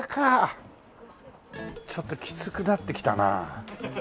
ちょっときつくなってきたな。